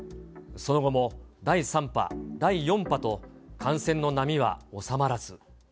その後も第３波、第４波と感染の波は収まらず。